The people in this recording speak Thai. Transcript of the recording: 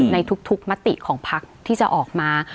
ในทุกมติของพักที่จะออกมา